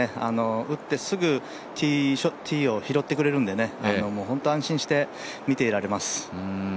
打ってすぐティーを拾ってくれるんで、本当に安心して見ていられます。